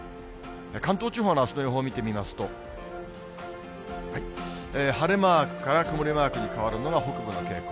関東地方のあすの予報を見てみますと、晴れマークから曇りマークに変わるのは北部の傾向。